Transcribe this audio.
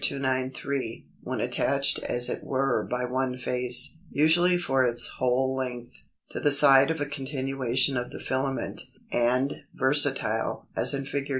293), when attached as it were by one face, usually for its whole length, to the side of a continuation of the filament; and Versatile (as in Fig.